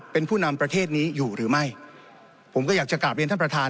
เป็นผู้นำประเทศนี้อยู่หรือไม่ผมก็อยากจะกลับเรียนท่านประธาน